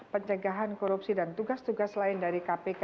pencegahan korupsi dan tugas tugas lain dari kpk